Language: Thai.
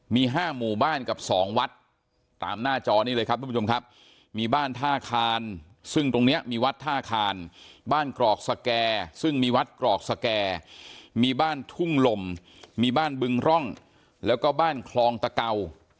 มี๕หมู่บ้านกับ๒วัดตามหน้าจอนี้เลยครับทุกผู้ชมครับมีบ้านท่าคานซึ่งตรงนี้มีวัดท่าคานบ้านกรอกสแก่ซึ่งมีวัดกรอกสแก่มีบ้านทุ่งลมมีบ้านบึงร่องแล้วก็บ้านคลองตะเก่า